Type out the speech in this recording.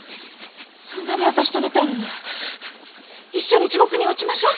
そんなに私と寝たいのなら一緒に地獄に落ちましょ！